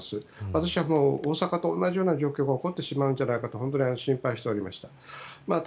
私は大阪と同じような状況が起こってしまうんじゃないかと本当に心配しておりました。